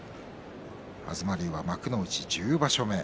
東龍は幕内１０場所目。